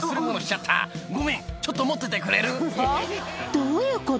どういうこと？